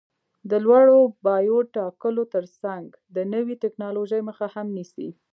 د لوړو بیو ټاکلو ترڅنګ د نوې ټکنالوژۍ مخه هم نیسي.